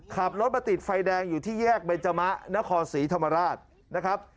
ขับรถมาติดไฟแดงอยู่ที่แยกเบนจมะนครศรีธรรมราชนะครับ